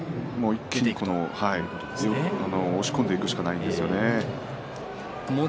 一気に押し込んでいくしかないですよね。